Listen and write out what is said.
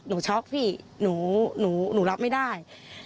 หนูช็อกพี่หนูหนูหนูรับไม่ได้